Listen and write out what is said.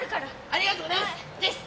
ありがとうございます！